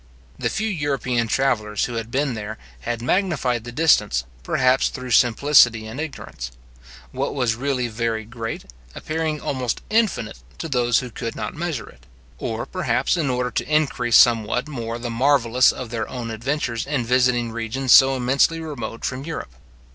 The few European travellers who had been there, had magnified the distance, perhaps through simplicity and ignorance; what was really very great, appearing almost infinite to those who could not measure it; or, perhaps, in order to increase somewhat more the marvellous of their own adventures in visiting regions so immensely remote from Europe.